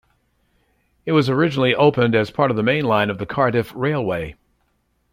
It was originally opened as part of the main line of the Cardiff Railway.